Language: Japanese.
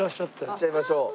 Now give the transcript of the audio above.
行っちゃいましょう。